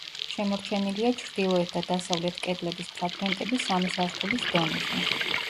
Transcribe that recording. შემორჩენილია ჩრდილოეთ და დასავლეთ კედლების ფრაგმენტები სამი სართულის დონეზე.